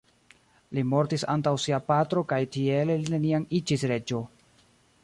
Li mortis antaŭ sia patro kaj tiele li neniam iĝis reĝo.